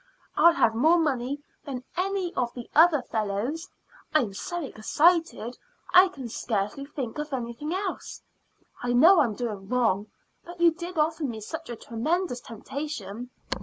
I'll have more money than any of the other fellows. I'm so excited I can scarcely think of anything else. I know I'm doing wrong, but you did offer me such a tremendous temptation.